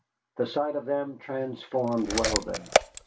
The sight of them transformed Weldon.